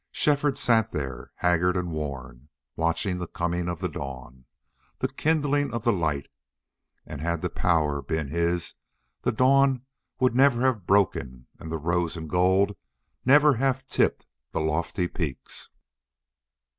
Shefford sat there, haggard and worn, watching the coming of the dawn, the kindling of the light; and had the power been his the dawn would never have broken and the rose and gold never have tipped the lofty peaks.